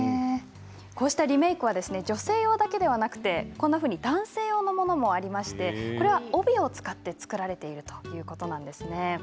こうしたリメークは女性用だけではなくて男性用のものもありましてこれは帯を使って作られているということなんです。